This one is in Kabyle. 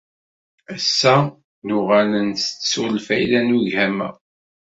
Ass-a, nuɣal nttettu lfayda n ugama.